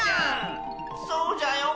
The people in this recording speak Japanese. そうじゃよ。